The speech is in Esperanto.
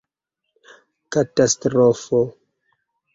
katastrofo